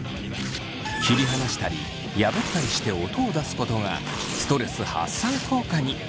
切り離したり破ったりして音を出すことがストレス発散効果に。